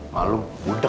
malu budeg dia